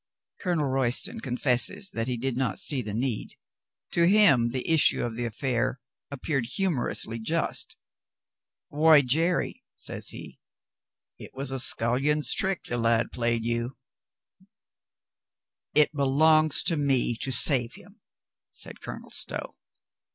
Colonel Royston confesses that he did not see the need. To him the issue of the affair appeared hu morously just. "Why, Jerry," says he, "it was a scullion's trick the lad played you." "It belongs to me to save him," said Colonel Stow.